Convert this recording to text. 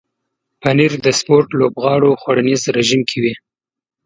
پنېر د سپورت لوبغاړو خوړنیز رژیم کې وي.